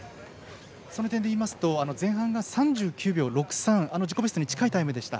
その点でいいますと前半が３９秒６３、自己ベストに近いタイムでした。